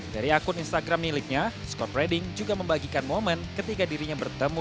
dari akun instagram miliknya scot trading juga membagikan momen ketika dirinya bertemu